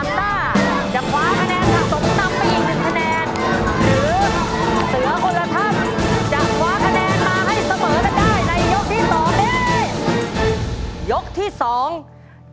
หรือเสือคนละถ้ำจะคว้าคำแนนมาให้เสมอได้ในยกที่๒นี้